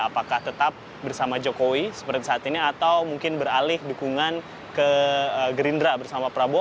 apakah tetap bersama jokowi seperti saat ini atau mungkin beralih dukungan ke gerindra bersama prabowo